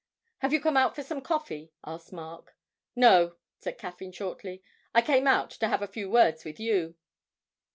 'Have you come out for some coffee?' asked Mark. 'No,' said Caffyn shortly, 'I came out to have a few words with you.'